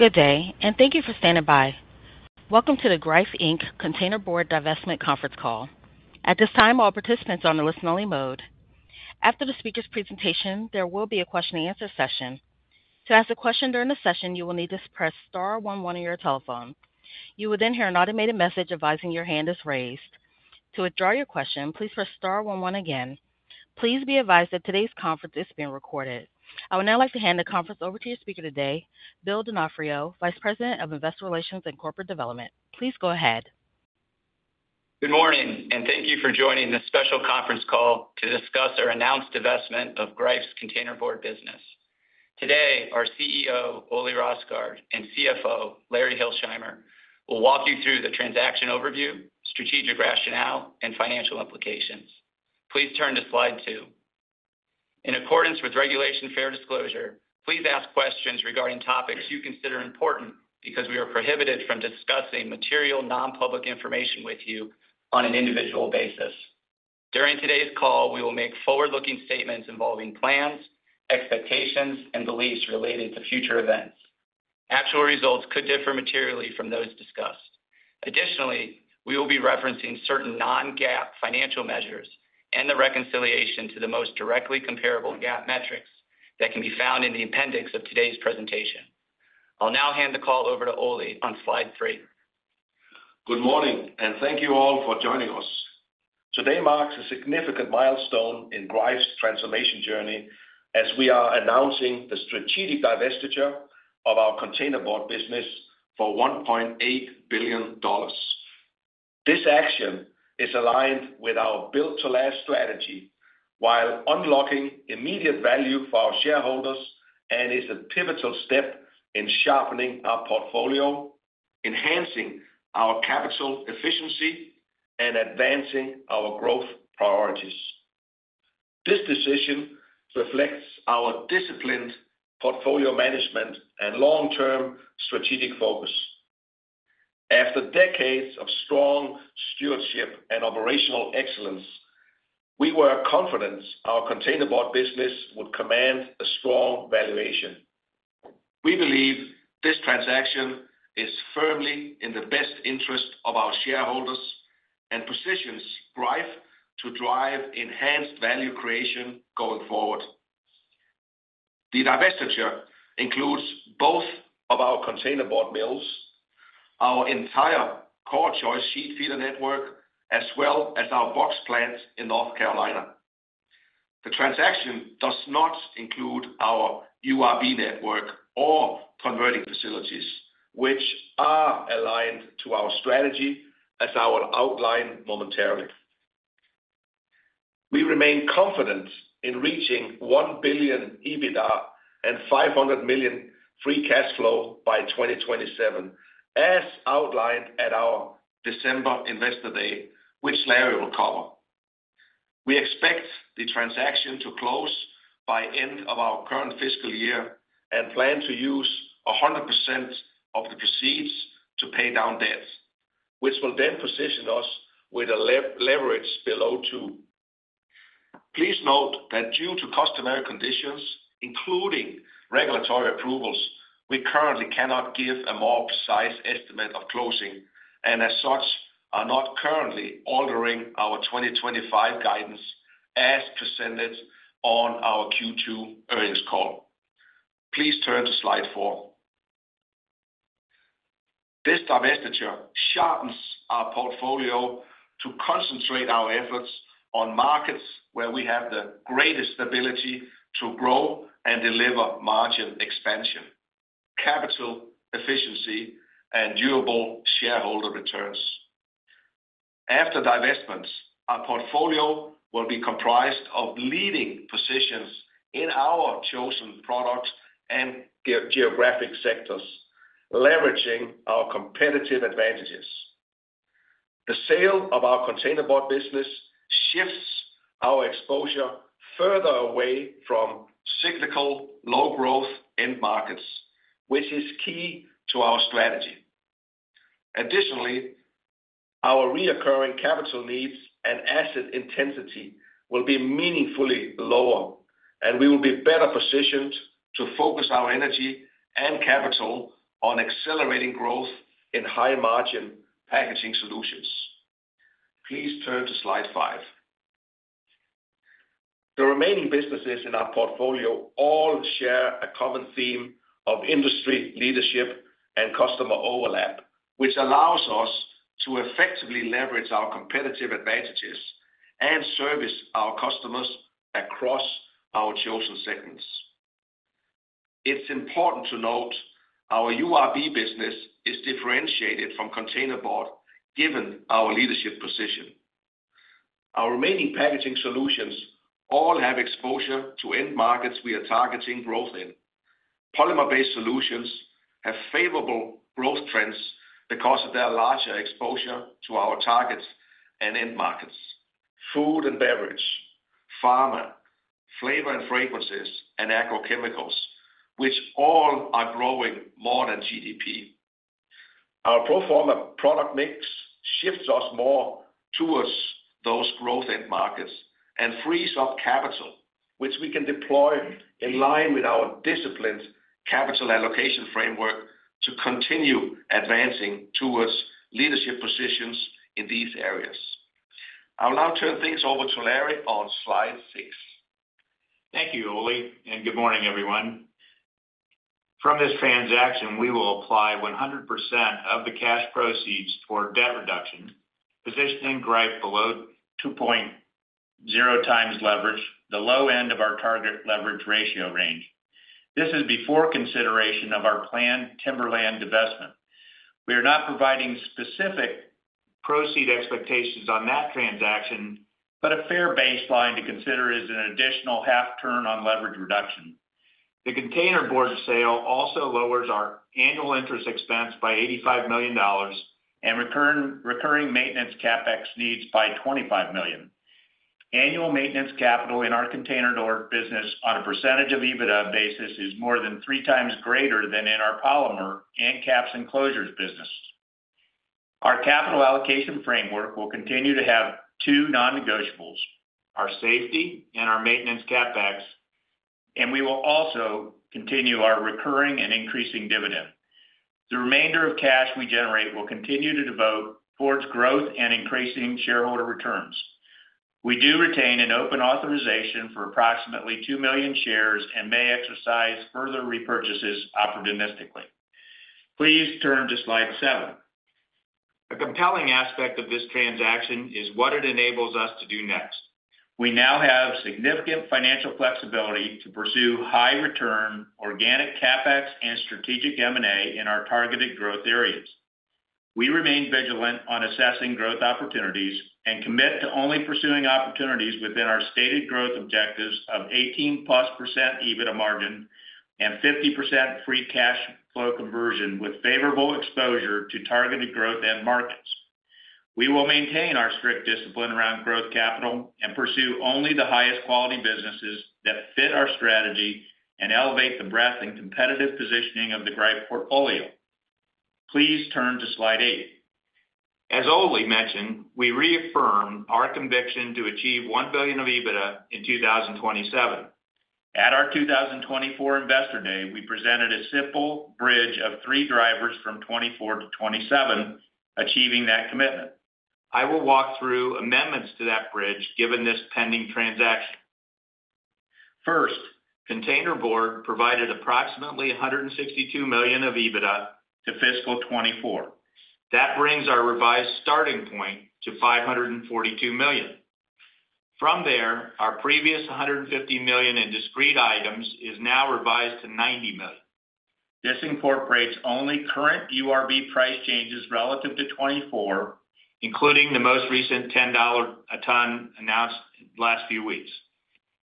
Good day, and thank you for standing by. Welcome to the Greif Containerboard Divestment Conference Call. At this time, all participants are on a listen-only mode. After the speaker's presentation, there will be a question-and-answer session. To ask a question during the session, you will need to press star one one on your telephone. You will then hear an automated message advising your hand is raised. To withdraw your question, please press star one one again. Please be advised that today's conference is being recorded. I would now like to hand the conference over to your speaker today, Bill D'Onofrio, Vice President of Investor Relations and Corporate Development. Please go ahead. Good morning, and thank you for joining this special conference call to discuss our announced divestment of Greif's Containerboard business. Today, our CEO, Ole Rosgaard, and CFO, Larry Hilsheimer, will walk you through the transaction overview, strategic rationale, and financial implications. Please turn to slide two. In accordance with Regulation Fair Disclosure, please ask questions regarding topics you consider important because we are prohibited from discussing material non-public information with you on an individual basis. During today's call, we will make forward-looking statements involving plans, expectations, and beliefs related to future events. Actual results could differ materially from those discussed. Additionally, we will be referencing certain non-GAAP financial measures and the reconciliation to the most directly comparable GAAP metrics that can be found in the appendix of today's presentation. I'll now hand the call over to Ole on Slide 3. Good morning, and thank you all for joining us. Today marks a significant milestone in Greif's transformation journey as we are announcing the strategic divestiture of our containerboard business for $1.8 billion. This action is aligned with our Build to Last strategy while unlocking immediate value for our shareholders and is a pivotal step in sharpening our portfolio, enhancing our capital efficiency, and advancing our growth priorities. This decision reflects our disciplined portfolio management and long-term strategic focus. After decades of strong stewardship and operational excellence, we were confident our containerboard business would command a strong valuation. We believe this transaction is firmly in the best interest of our shareholders and positions Greif to drive enhanced value creation going forward. The divestiture includes both of our containerboard mills, our entire CorrChoice sheet feeder network, as well as our box plants in North Carolina. The transaction does not include our URB network or converting facilities, which are aligned to our strategy as I will outline momentarily. We remain confident in reaching $1 billion EBITDA and $500 million free cash flow by 2027, as outlined at our December Investor Day, which Larry will cover. We expect the transaction to close by the end of our current fiscal year and plan to use 100% of the proceeds to pay down debt, which will then position us with a leverage below two. Please note that due to customary conditions, including regulatory approvals, we currently cannot give a more precise estimate of closing and, as such, are not currently altering our 2025 guidance as presented on our Q2 earnings call. Please turn to Slide 4. This divestiture sharpens our portfolio to concentrate our efforts on markets where we have the greatest ability to grow and deliver margin expansion, capital efficiency, and durable shareholder returns. After divestment, our portfolio will be comprised of leading positions in our chosen product and geographic sectors, leveraging our competitive advantages. The sale of our containerboard business shifts our exposure further away from cyclical low-growth end markets, which is key to our strategy. Additionally, our reoccurring capital needs and asset intensity will be meaningfully lower, and we will be better positioned to focus our energy and capital on accelerating growth in high-margin packaging solutions. Please turn to slide five. The remaining businesses in our portfolio all share a common theme of industry leadership and customer overlap, which allows us to effectively leverage our competitive advantages and service our customers across our chosen segments. It's important to note our URB business is differentiated from containerboard given our leadership position. Our remaining packaging solutions all have exposure to end markets we are targeting growth in. Polymer-based solutions have favorable growth trends because of their larger exposure to our targets and end markets: food and beverage, pharma, flavor and fragrances, and agrochemicals, which all are growing more than GDP. Our pro forma product mix shifts us more towards those growth end markets and frees up capital, which we can deploy in line with our disciplined capital allocation framework to continue advancing towards leadership positions in these areas. I'll now turn things over to Larry on Slide 6. Thank you, Ole, and good morning, everyone. From this transaction, we will apply 100% of the cash proceeds for debt reduction, positioning Greif below 2.0 times leverage, the low end of our target leverage ratio range. This is before consideration of our planned timberland divestment. We are not providing specific proceed expectations on that transaction, but a fair baseline to consider is an additional half turn on leverage reduction. The containerboard sale also lowers our annual interest expense by $85 million and recurring maintenance CapEx needs by $25 million. Annual maintenance capital in our containerboard business on a percentage of EBITDA basis is more than three times greater than in our polymer and caps and closures business. Our capital allocation framework will continue to have two non-negotiables: our safety and our maintenance CapEx, and we will also continue our recurring and increasing dividend. The remainder of cash we generate will continue to devote towards growth and increasing shareholder returns. We do retain an open authorization for approximately 2 million shares and may exercise further repurchases opportunistically. Please turn to Slide 7. The compelling aspect of this transaction is what it enables us to do next. We now have significant financial flexibility to pursue high-return, organic CapEx and strategic M&A in our targeted growth areas. We remain vigilant on assessing growth opportunities and commit to only pursuing opportunities within our stated growth objectives of 18+% EBITDA margin and 50% free cash flow conversion with favorable exposure to targeted growth end markets. We will maintain our strict discipline around growth capital and pursue only the highest quality businesses that fit our strategy and elevate the breadth and competitive positioning of the Greif portfolio. Please turn to slide eight. As Ole mentioned, we reaffirm our conviction to achieve $1 billion of EBITDA in 2027. At our 2024 Investor Day, we presented a simple bridge of three drivers from 2024 to 2027 achieving that commitment. I will walk through amendments to that bridge given this pending transaction. First, containerboard provided approximately $162 million of EBITDA to fiscal 2024. That brings our revised starting point to $542 million. From there, our previous $150 million in discrete items is now revised to $90 million. This incorporates only current URB price changes relative to 2024, including the most recent $10 a ton announced in the last few weeks.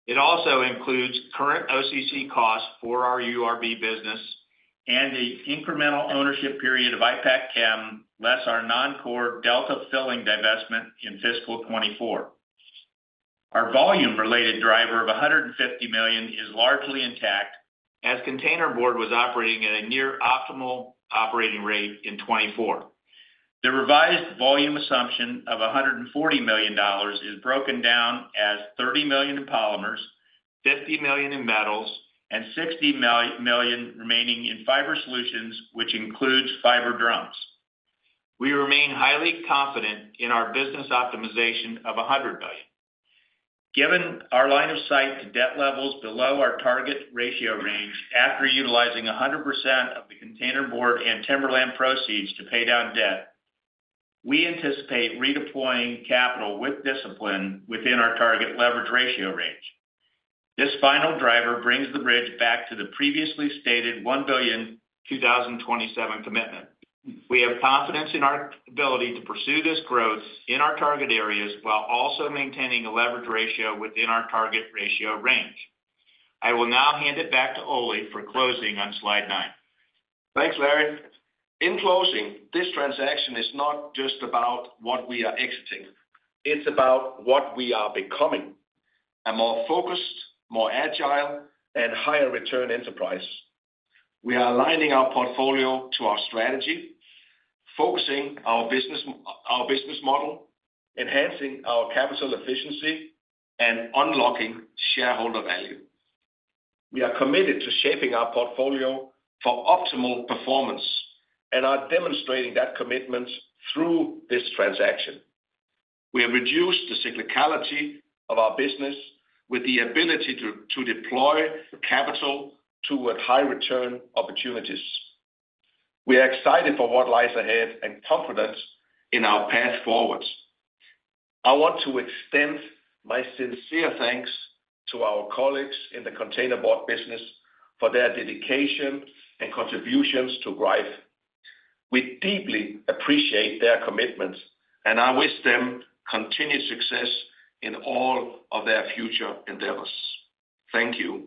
It also includes current OCC costs for our URB business and the incremental ownership period of Ipackchem less our non-core Delta filling divestment in fiscal 2024. Our volume-related driver of $150 million is largely intact as containerboard was operating at a near-optimal operating rate in 2024. The revised volume assumption of $140 million is broken down as $30 million in polymers, $50 million in metals, and $60 million remaining in fiber solutions, which includes fiber drums. We remain highly confident in our business optimization of $100 million. Given our line of sight to debt levels below our target ratio range after utilizing 100% of the containerboard and timberland proceeds to pay down debt, we anticipate redeploying capital with discipline within our target leverage ratio range. This final driver brings the bridge back to the previously stated $1 billion 2027 commitment. We have confidence in our ability to pursue this growth in our target areas while also maintaining a leverage ratio within our target ratio range. I will now hand it back to Ole for closing on slide nine. Thanks, Larry. In closing, this transaction is not just about what we are exiting. It's about what we are becoming: a more focused, more agile, and higher-return enterprise. We are aligning our portfolio to our strategy, focusing our business model, enhancing our capital efficiency, and unlocking shareholder value. We are committed to shaping our portfolio for optimal performance and are demonstrating that commitment through this transaction. We have reduced the cyclicality of our business with the ability to deploy capital toward high-return opportunities. We are excited for what lies ahead and confident in our path forward. I want to extend my sincere thanks to our colleagues in the containerboard business for their dedication and contributions to Greif. We deeply appreciate their commitment, and I wish them continued success in all of their future endeavors. Thank you.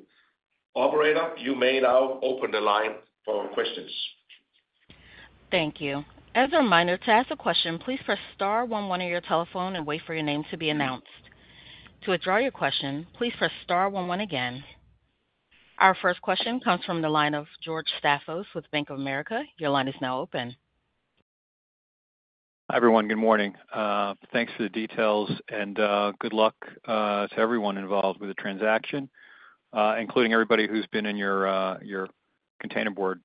Operator, you may now open the line for questions. Thank you. As a reminder, to ask a question, please press star one one on your telephone and wait for your name to be announced. To withdraw your question, please press star one one again. Our first question comes from the line of George Staphos with Bank of America. Your line is now open. Hi, everyone. Good morning. Thanks for the details, and good luck to everyone involved with the transaction, including everybody who's been in your containerboard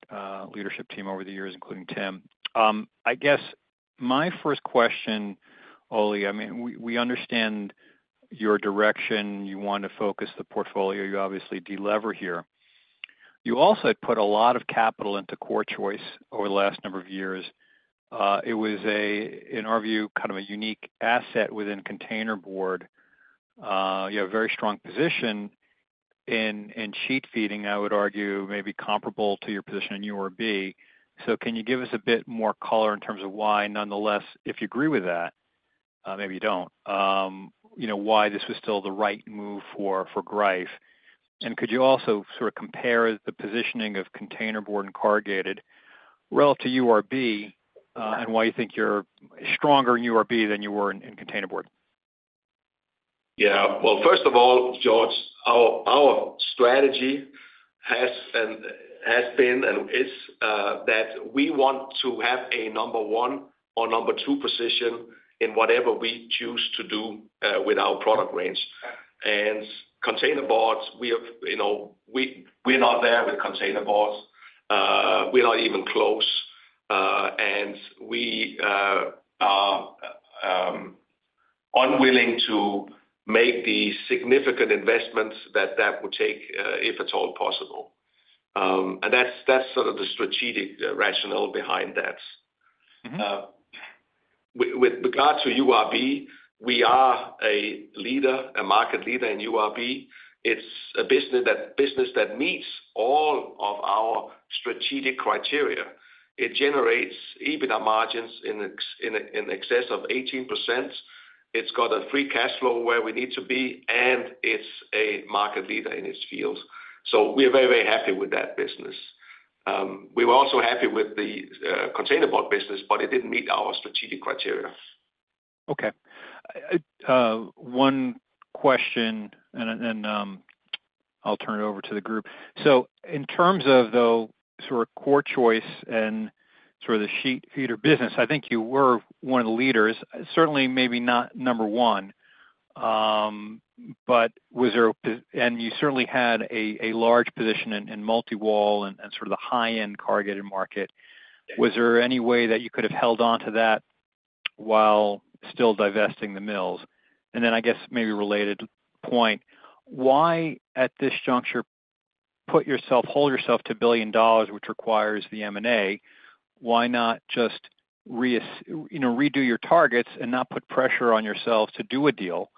leadership team over the years, including Tim. I guess my first question, Ole, I mean, we understand your direction. You want to focus the portfolio. You obviously delever here. You also had put a lot of capital into CorrChoice over the last number of years. It was, in our view, kind of a unique asset within containerboard. You have a very strong position in sheet feeding, I would argue, maybe comparable to your position in URB. So can you give us a bit more color in terms of why, nonetheless, if you agree with that, maybe you don't, why this was still the right move for Greif? Could you also sort of compare the positioning of containerboard and corrugated relative to URB and why you think you're stronger in URB than you were in containerboard? Yeah. First of all, George, our strategy has been and is that we want to have a number one or number two position in whatever we choose to do with our product range. In containerboard, we're not there with containerboard. We're not even close. We are unwilling to make the significant investments that that would take, if at all possible. That is sort of the strategic rationale behind that. With regard to URB, we are a leader, a market leader in URB. It's a business that meets all of our strategic criteria. It generates EBITDA margins in excess of 18%. It's got a free cash flow where we need to be, and it's a market leader in its field. We are very, very happy with that business. We were also happy with the containerboard business, but it did not meet our strategic criteria. Okay. One question, and then I'll turn it over to the group. In terms of, though, sort of CorrChoice and sort of the sheet feeder business, I think you were one of the leaders, certainly maybe not number one, but was there a position? You certainly had a large position in multi-wall and sort of the high-end corrugated market. Was there any way that you could have held on to that while still divesting the mills? I guess maybe related point, why at this juncture hold yourself to $1 billion, which requires the M&A? Why not just redo your targets and not put pressure on yourself to do a deal?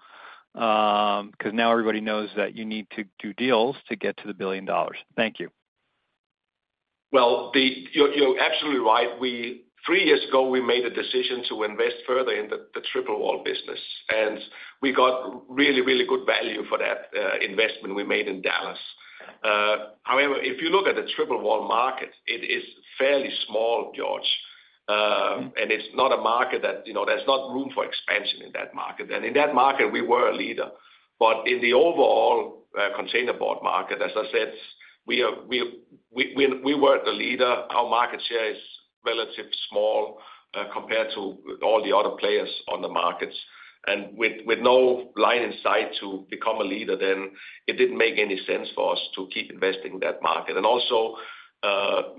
Because now everybody knows that you need to do deals to get to the billion dollars. Thank you. You are absolutely right. Three years ago, we made a decision to invest further in the triple-wall business, and we got really, really good value for that investment we made in Dallas. However, if you look at the triple-wall market, it is fairly small, George, and it is not a market that there is room for expansion in that market. In that market, we were a leader. In the overall containerboard market, as I said, we were the leader. Our market share is relatively small compared to all the other players on the markets. With no line in sight to become a leader, it did not make any sense for us to keep investing in that market. Also,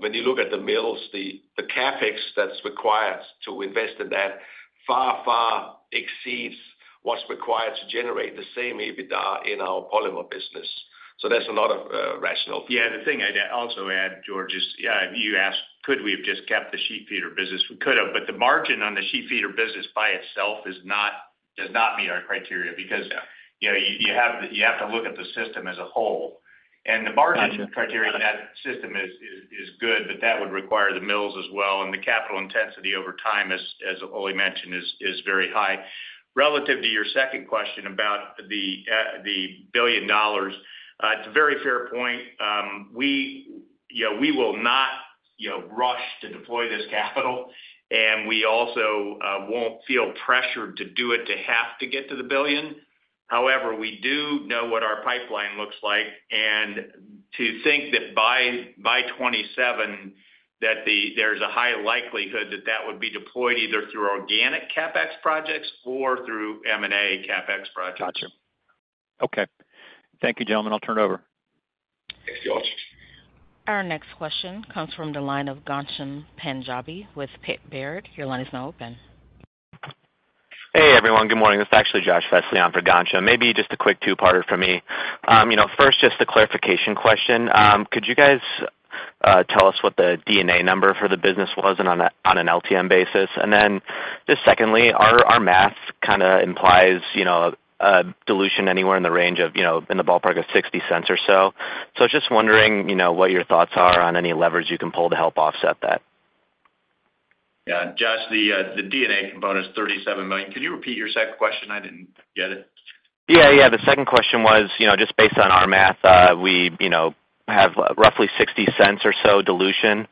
when you look at the mills, the CapEx that is required to invest in that far, far exceeds what is required to generate the same EBITDA in our polymer business. There is a lot of rationale. Yeah. The thing I would also add, George, is, yeah, you asked, could we have just kept the sheet feeder business? We could have, but the margin on the sheet feeder business by itself does not meet our criteria because you have to look at the system as a whole. The margin criteria in that system is good, but that would require the mills as well. The capital intensity over time, as Ole mentioned, is very high. Relative to your second question about the billion dollars, it is a very fair point. We will not rush to deploy this capital, and we also will not feel pressured to do it to have to get to the billion. However, we do know what our pipeline looks like. To think that by 2027, there's a high likelihood that that would be deployed either through organic CapEx projects or through M&A CapEx projects. Gotcha. Okay. Thank you, gentlemen. I'll turn it over. Thanks, George. Our next question comes from the line of Ghansham Panjabi with Baird. Your line is now open. Hey, everyone. Good morning. This is actually Josh Vesely for Ghansham. Maybe just a quick two-parter for me. First, just a clarification question. Could you guys tell us what the DNA number for the business was on an LTM basis? And then just secondly, our math kind of implies a dilution anywhere in the range of in the ballpark of $0.60 or so. Just wondering what your thoughts are on any levers you can pull to help offset that. Yeah. Josh, the DNA component is $37 million. Could you repeat your second question? I didn't get it. Yeah, yeah. The second question was, just based on our math, we have roughly $0.60 or so dilution.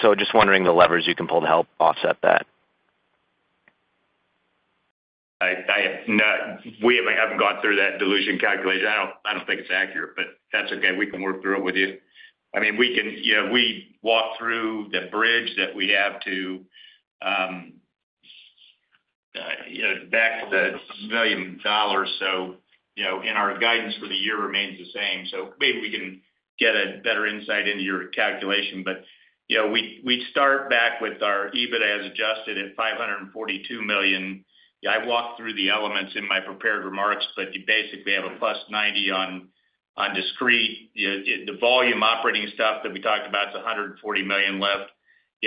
So just wondering the levers you can pull to help offset that. We haven't gone through that dilution calculation. I don't think it's accurate, but that's okay. We can work through it with you. I mean, we walked through the bridge that we have to back to the billion dollars. Our guidance for the year remains the same. Maybe we can get a better insight into your calculation. We'd start back with our EBITDA as adjusted at $542 million. I walked through the elements in my prepared remarks, but you basically have a plus $90 million on discrete. The volume operating stuff that we talked about, it's $140 million left.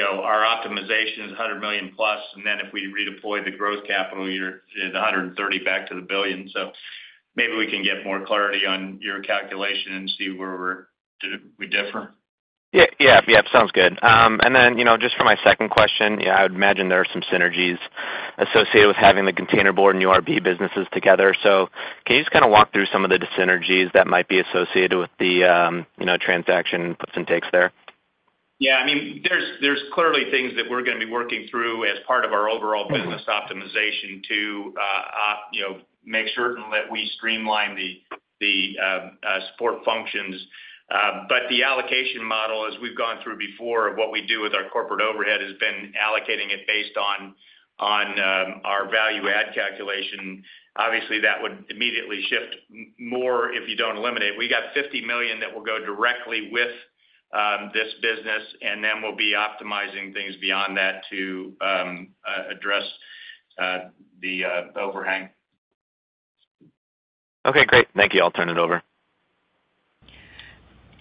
Our optimization is $100 million plus. If we redeploy the growth capital, you're at $130 million back to the billion. Maybe we can get more clarity on your calculation and see where we differ. Yeah, yeah. Sounds good. And then just for my second question, I would imagine there are some synergies associated with having the containerboard and URB businesses together. Can you just kind of walk through some of the synergies that might be associated with the transaction and puts and takes there? Yeah. I mean, there's clearly things that we're going to be working through as part of our overall business optimization to make certain that we streamline the support functions. The allocation model, as we've gone through before, of what we do with our corporate overhead has been allocating it based on our value-add calculation. Obviously, that would immediately shift more if you do not eliminate. We got $50 million that will go directly with this business, and then we'll be optimizing things beyond that to address the overhang. Okay, great. Thank you. I'll turn it over.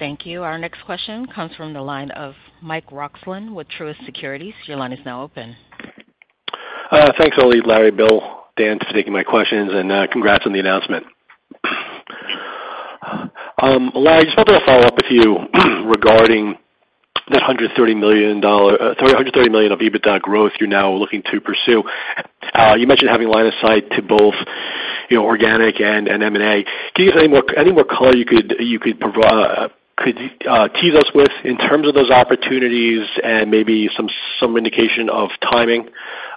Thank you. Our next question comes from the line of Mike Roxland with Truist Securities. Your line is now open. Thanks, Ole, Larry, Bill, Dan, for taking my questions, and congrats on the announcement. Larry, just wanted to follow up with you regarding that $130 million of EBITDA growth you're now looking to pursue. You mentioned having line of sight to both organic and M&A. Can you give us any more color you could tease us with in terms of those opportunities and maybe some indication of timing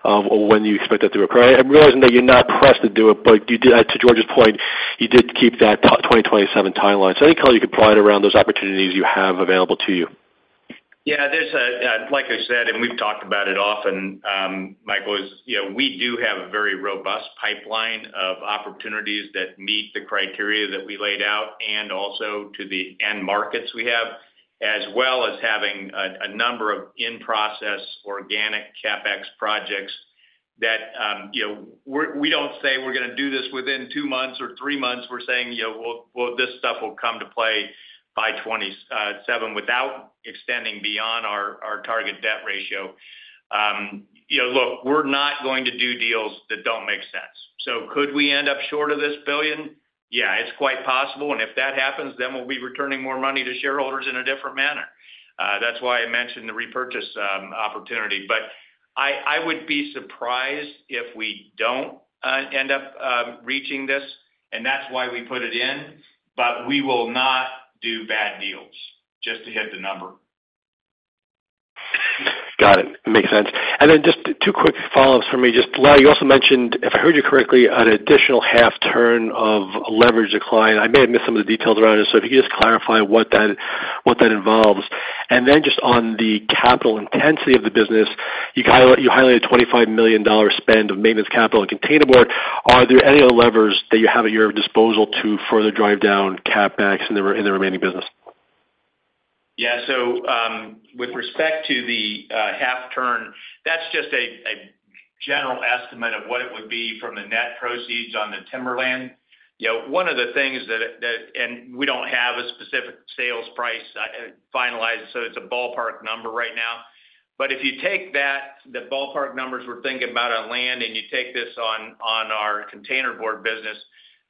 of when you expect that to occur? I'm realizing that you're not pressed to do it, but to George's point, you did keep that 2027 timeline. Any color you could provide around those opportunities you have available to you? Yeah. Like I said, and we've talked about it often, Michael, is we do have a very robust pipeline of opportunities that meet the criteria that we laid out and also to the end markets we have, as well as having a number of in-process organic CapEx projects that we don't say we're going to do this within two months or three months. We're saying, "Well, this stuff will come to play by 2027 without extending beyond our target debt ratio." Look, we're not going to do deals that don't make sense. Could we end up short of this billion? Yeah, it's quite possible. If that happens, then we'll be returning more money to shareholders in a different manner. That's why I mentioned the repurchase opportunity. I would be surprised if we don't end up reaching this, and that's why we put it in. We will not do bad deals just to hit the number. Got it. Makes sense. Just two quick follow-ups for me. Larry, you also mentioned, if I heard you correctly, an additional half-turn of leverage decline. I may have missed some of the details around it, so if you could just clarify what that involves. Just on the capital intensity of the business, you highlighted a $25 million spend of maintenance capital and containerboard. Are there any other levers that you have at your disposal to further drive down CapEx in the remaining business? Yeah. With respect to the half-turn, that's just a general estimate of what it would be from the net proceeds on the timberland. One of the things that—we do not have a specific sales price finalized, so it's a ballpark number right now. If you take that, the ballpark numbers we're thinking about on land, and you take this on our containerboard business,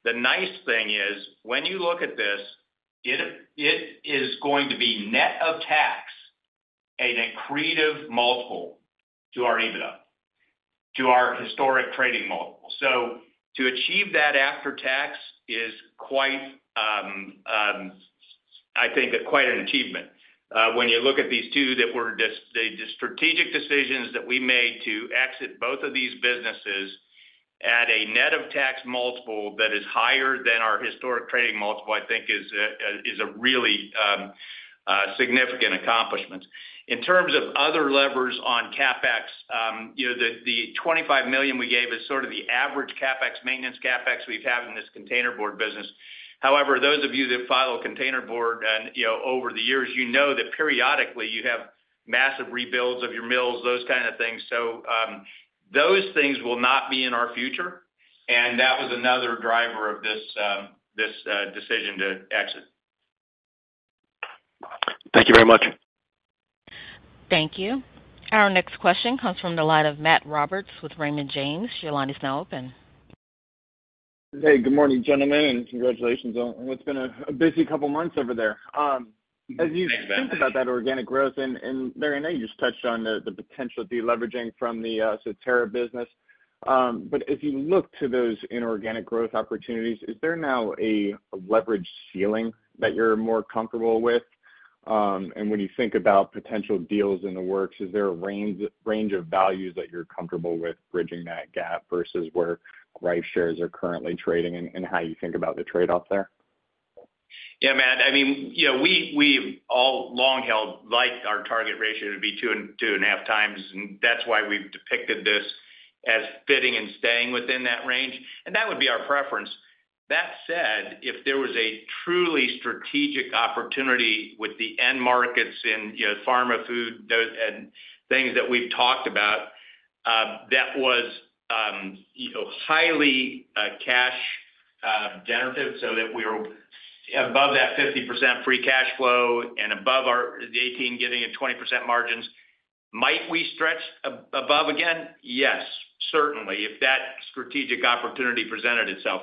the nice thing is when you look at this, it is going to be net of tax a decreative multiple to our EBITDA, to our historic trading multiple. To achieve that after tax is, I think, quite an achievement. When you look at these two, they're just the strategic decisions that we made to exit both of these businesses at a net of tax multiple that is higher than our historic trading multiple, I think, is a really significant accomplishment. In terms of other levers on CapEx, the $25 million we gave is sort of the average CapEx maintenance CapEx we've had in this containerboard business. However, those of you that follow containerboard over the years, you know that periodically you have massive rebuilds of your mills, those kinds of things. Those things will not be in our future. That was another driver of this decision to exit. Thank you very much. Thank you. Our next question comes from the line of Matt Roberts with Raymond James. Your line is now open. Hey, good morning, gentlemen, and congratulations on what's been a busy couple of months over there. As you think about that organic growth, and Larry, I know you just touched on the potential to be leveraging from the Soterra business. As you look to those inorganic growth opportunities, is there now a leverage ceiling that you're more comfortable with? When you think about potential deals in the works, is there a range of values that you're comfortable with bridging that gap versus where Greif shares are currently trading and how you think about the trade-off there? Yeah, man. I mean, we've all long held like our target ratio to be 2.5 times, and that's why we've depicted this as fitting and staying within that range. That would be our preference. That said, if there was a truly strategic opportunity with the end markets in pharma, food, and things that we've talked about that was highly cash generative so that we were above that 50% free cash flow and above the 18%-20% margins, might we stretch above again? Yes, certainly, if that strategic opportunity presented itself.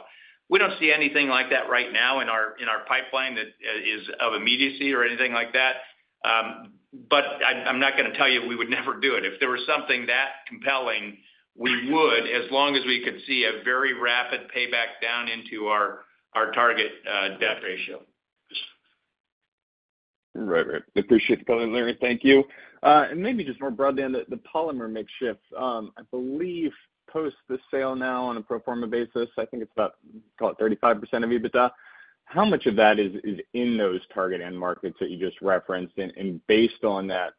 We don't see anything like that right now in our pipeline that is of immediacy or anything like that. I'm not going to tell you we would never do it. If there was something that compelling, we would, as long as we could see a very rapid payback down into our target debt ratio. Right, right. Appreciate the comment, Larry. Thank you. Maybe just more broadly on the polymer mix shift, I believe post the sale now on a pro forma basis, I think it's about, call it 35% of EBITDA. How much of that is in those target end markets that you just referenced? Based on that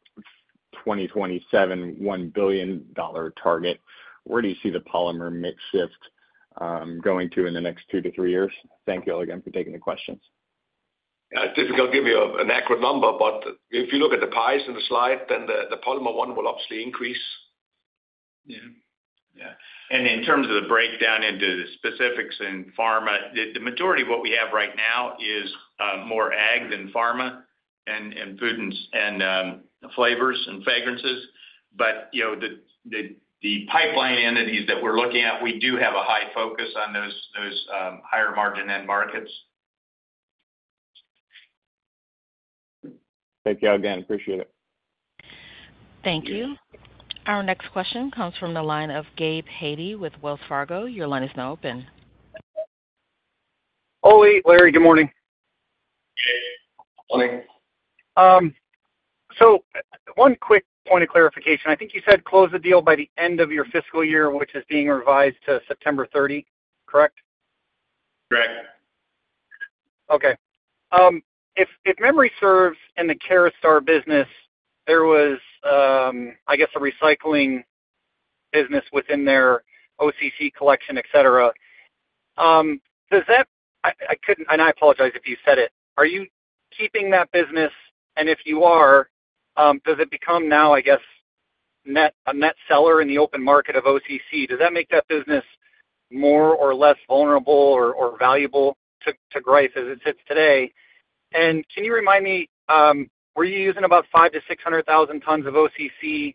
2027 $1 billion target, where do you see the polymer mix shift going to in the next two to three years? Thank you all again for taking the questions. Yeah. Difficult to give you an accurate number, but if you look at the price in the slide, then the polymer one will obviously increase. Yeah. Yeah. In terms of the breakdown into the specifics in pharma, the majority of what we have right now is more ag than pharma and food and flavors and fragrances. The pipeline entities that we're looking at, we do have a high focus on those higher margin end markets. Thank you all again. Appreciate it. Thank you. Our next question comes from the line of Gabe Hady with Wells Fargo. Your line is now open. Ole, Larry, good morning. Good morning. One quick point of clarification. I think you said close the deal by the end of your fiscal year, which is being revised to September 30, correct? Correct. Okay. If memory serves, in the Caraustar business, there was, I guess, a recycling business within their OCC collection, etc. I apologize if you said it. Are you keeping that business? If you are, does it become now, I guess, a net seller in the open market of OCC? Does that make that business more or less vulnerable or valuable to Greif as it sits today? Can you remind me, were you using about 500,000-600,000 tons of OCC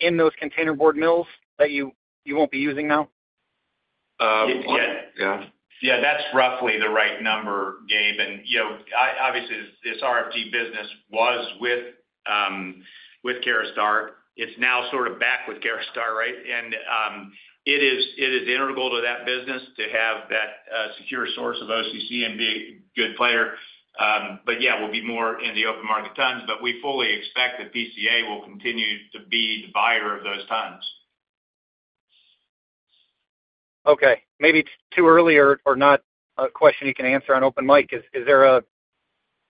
in those containerboard mills that you will not be using now? Yeah. Yeah. Yeah. That's roughly the right number, Gabe. Obviously, this RT business was with Caraustar. It's now sort of back with Caraustar, right? It is integral to that business to have that secure source of OCC and be a good player. Yeah, we'll be more in the open market tons. We fully expect that PCA will continue to be the buyer of those tons. Okay. Maybe too early or not a question you can answer on open mic. Is there an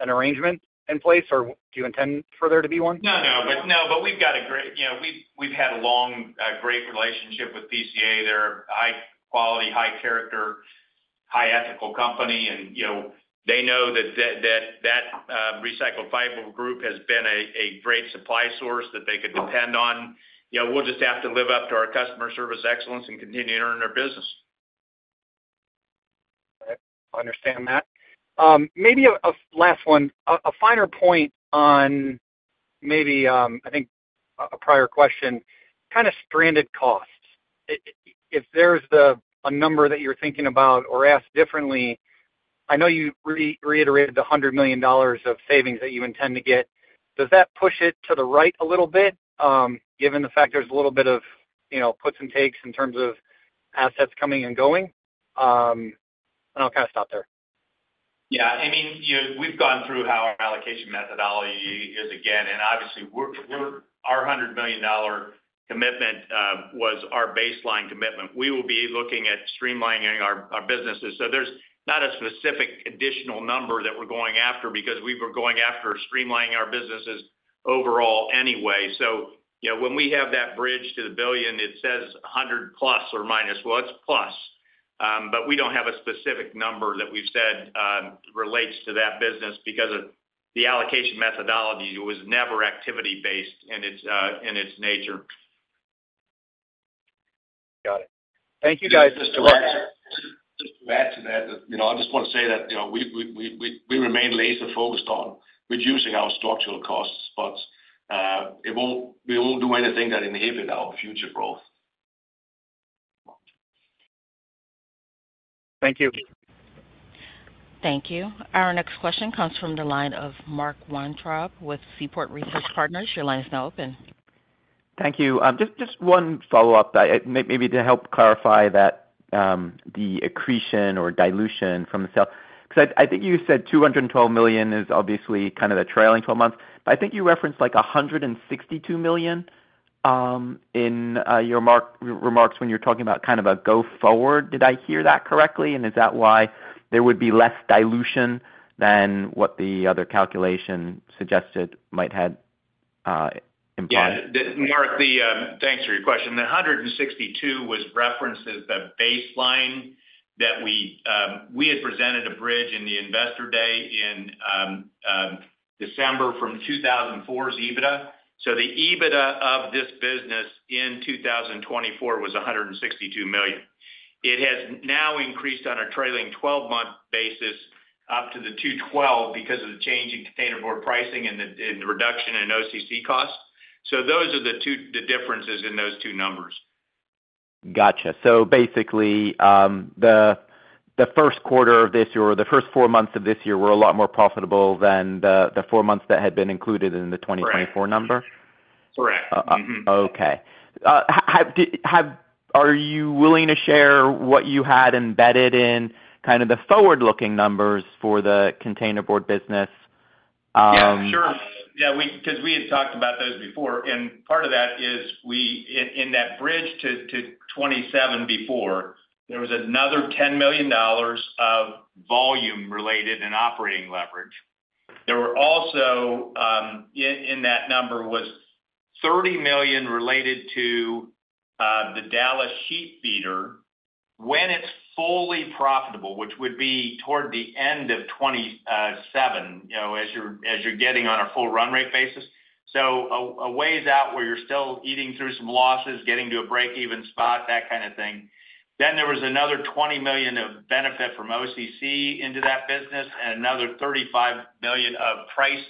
arrangement in place, or do you intend for there to be one? No, no. No, but we've got a great—we've had a long, great relationship with PCA. They're a high-quality, high-character, high-ethical company. They know that that recycled fiber group has been a great supply source that they could depend on. We'll just have to live up to our customer service excellence and continue to earn their business. Okay. Understand that. Maybe a last one, a finer point on maybe, I think, a prior question, kind of stranded costs. If there's a number that you're thinking about or asked differently, I know you reiterated the $100 million of savings that you intend to get. Does that push it to the right a little bit, given the fact there's a little bit of puts and takes in terms of assets coming and going? I'll kind of stop there. Yeah. I mean, we've gone through how our allocation methodology is again. And obviously, our $100 million commitment was our baseline commitment. We will be looking at streamlining our businesses. So there's not a specific additional number that we're going after because we were going after streamlining our businesses overall anyway. When we have that bridge to the billion, it says 100 plus or minus. It's plus. We don't have a specific number that we've said relates to that business because the allocation methodology was never activity-based in its nature. Got it. Thank you, guys. Just to add to that, I just want to say that we remain laser-focused on reducing our structural costs, but we won't do anything that inhibit our future growth. Thank you. Thank you. Our next question comes from the line of Mark Weintraub with Seaport Research Partners. Your line is now open. Thank you. Just one follow-up, maybe to help clarify that the accretion or dilution from the sale, because I think you said $212 million is obviously kind of the trailing 12 months. I think you referenced $162 million in your remarks when you are talking about kind of a go-forward. Did I hear that correctly? Is that why there would be less dilution than what the other calculation suggested might have implied? Yeah. Mark, thanks for your question. The $162 million was referenced as the baseline that we had presented a bridge in the investor day in December from 2024's EBITDA. So the EBITDA of this business in 2024 was $162 million. It has now increased on a trailing 12-month basis up to the $212 million because of the change in containerboard pricing and the reduction in OCC costs. Those are the differences in those two numbers. Got you. So basically, the first quarter of this year or the first four months of this year were a lot more profitable than the four months that had been included in the 2024 number? Correct. Correct. Okay. Are you willing to share what you had embedded in kind of the forward-looking numbers for the containerboard business? Yeah. Sure. Yeah. Because we had talked about those before. Part of that is in that bridge to 2027 before, there was another $10 million of volume-related and operating leverage. Also in that number was $30 million related to the Dallas sheet feeder when it is fully profitable, which would be toward the end of 2027 as you are getting on a full run rate basis. A ways out where you are still eating through some losses, getting to a break-even spot, that kind of thing. There was another $20 million of benefit from OCC into that business and another $35 million of price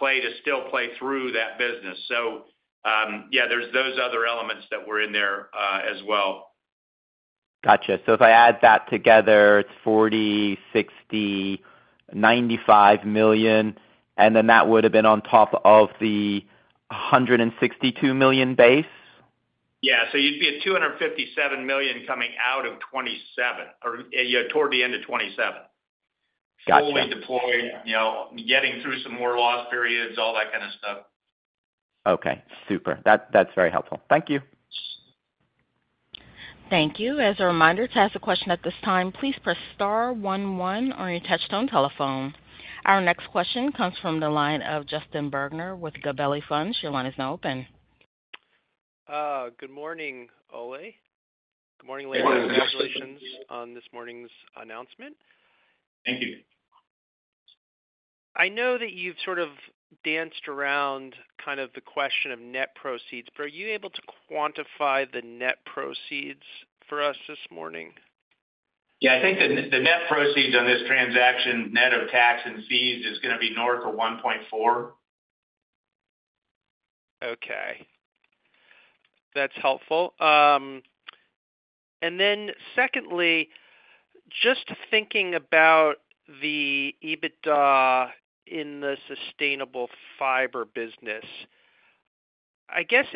play to still play through that business. Yeah, there are those other elements that were in there as well. Got you. So if I add that together, it's 40, 60, 95 million. And then that would have been on top of the $162 million base? Yeah. You'd be at $257 million coming out of 2027 or toward the end of 2027. Fully deployed, getting through some more loss periods, all that kind of stuff. Okay. Super. That's very helpful. Thank you. Thank you. As a reminder, to ask a question at this time, please press star one one on your touch-tone telephone. Our next question comes from the line of Justin Bergner with Gabelli Funds. Your line is now open. Good morning, Ole. Good morning, Larry. Congratulations on this morning's announcement. Thank you. I know that you've sort of danced around kind of the question of net proceeds, but are you able to quantify the net proceeds for us this morning? Yeah. I think the net proceeds on this transaction, net of tax and fees, is going to be north of $1.4 billion. Okay. That's helpful. Secondly, just thinking about the EBITDA in the sustainable fiber business, I guess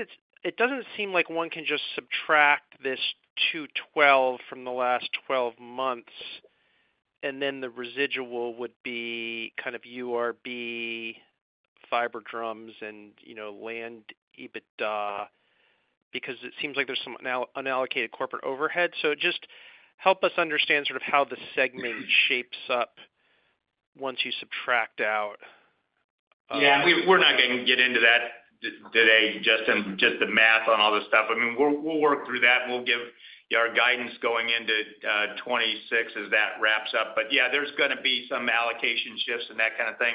it does not seem like one can just subtract this $212 from the last 12 months, and then the residual would be kind of URB, fiber drums, and land EBITDA because it seems like there is some unallocated corporate overhead. Just help us understand sort of how the segment shapes up once you subtract out. Yeah. We're not going to get into that today, Justin, just the math on all this stuff. I mean, we'll work through that. We'll give our guidance going into 2026 as that wraps up. Yeah, there's going to be some allocation shifts and that kind of thing.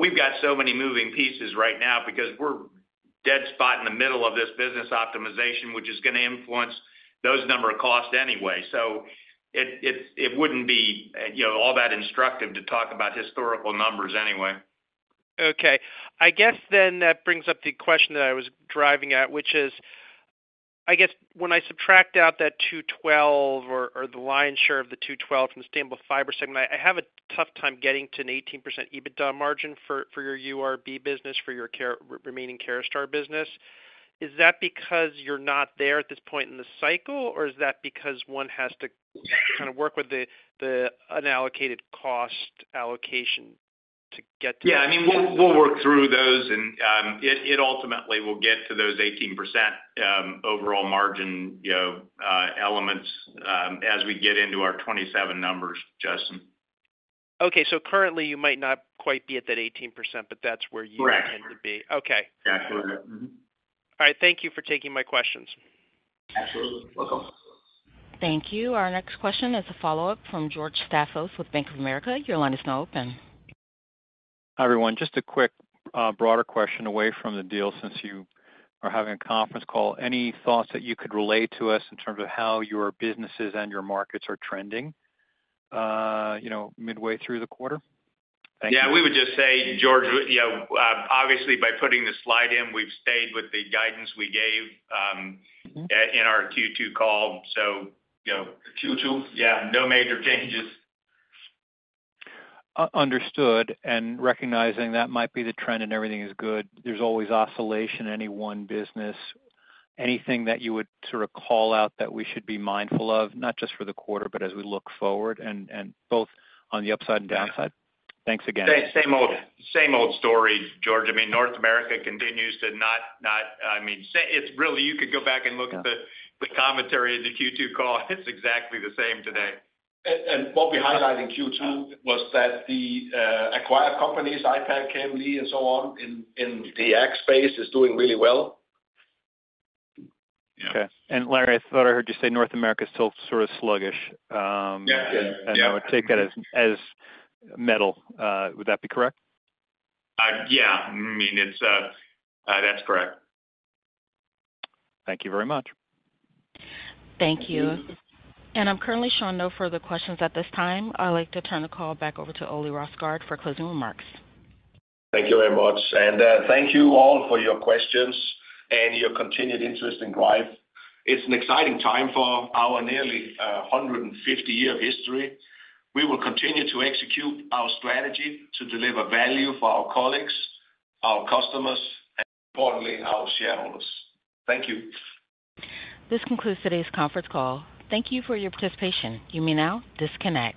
We've got so many moving pieces right now because we're dead spot in the middle of this business optimization, which is going to influence those number of costs anyway. It wouldn't be all that instructive to talk about historical numbers anyway. Okay. I guess then that brings up the question that I was driving at, which is, I guess, when I subtract out that $212 or the lion's share of the $212 from the sustainable fiber segment, I have a tough time getting to an 18% EBITDA margin for your URB business, for your remaining Caraustar business. Is that because you're not there at this point in the cycle, or is that because one has to kind of work with the unallocated cost allocation to get to that? Yeah. I mean, we'll work through those. And it ultimately will get to those 18% overall margin elements as we get into our 2027 numbers, Justin. Okay. So currently, you might not quite be at that 18%, but that's where you tend to be. Correct. Okay. Exactly. All right. Thank you for taking my questions. Absolutely. Welcome. Thank you. Our next question is a follow-up from George Staphos with Bank of America. Your line is now open. Hi, everyone. Just a quick broader question away from the deal since you are having a conference call. Any thoughts that you could relay to us in terms of how your businesses and your markets are trending midway through the quarter? Yeah. We would just say, George, obviously, by putting the slide in, we've stayed with the guidance we gave in our Q2 call. Q2, yeah, no major changes. Understood. Recognizing that might be the trend and everything is good, there is always oscillation in any one business. Anything that you would sort of call out that we should be mindful of, not just for the quarter, but as we look forward, both on the upside and downside? Thanks again. Same old story, George. I mean, North America continues to not—I mean, really, you could go back and look at the commentary of the Q2 call. It's exactly the same today. What we highlight in Q2 was that the acquired companies, Ipackchem, Lee, and so on in the ag space, is doing really well. Okay. Larry, I thought I heard you say North America is still sort of sluggish. I would take that as metal. Would that be correct? Yeah. I mean, that's correct. Thank you very much. Thank you. I'm currently showing no further questions at this time. I'd like to turn the call back over to Ole Rosgaard for closing remarks. Thank you very much. Thank you all for your questions and your continued interest in Greif. It is an exciting time for our nearly 150-year history. We will continue to execute our strategy to deliver value for our colleagues, our customers, and importantly, our shareholders. Thank you. This concludes today's conference call. Thank you for your participation. You may now disconnect.